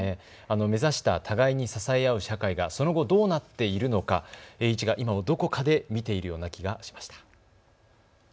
目指した互いに支え合う社会がその後、どうなっているのか、栄一が今もどこかで見ているような気がしました。